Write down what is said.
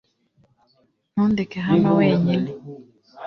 ntundeke hano wenyine